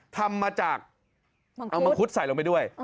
ทำมาจากเอามังคุดใส่ลงไปด้วย